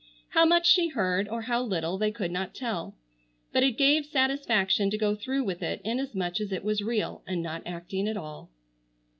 How much she heard, or how little they could not tell, but it gave satisfaction to go through with it inasmuch as it was real, and not acting at all.